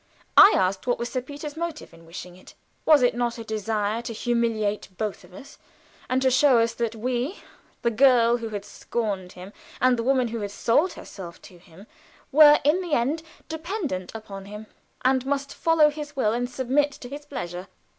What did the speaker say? I asked what was Sir Peter's motive in wishing it? Was it not a desire to humiliate both of us, and to show us that we the girl who had scorned him, and the woman who had sold herself to him were in the end dependent upon him, and must follow his will and submit to his pleasure?